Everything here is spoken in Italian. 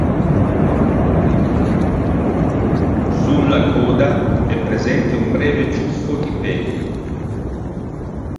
Sulla coda è presente un breve ciuffo di peli.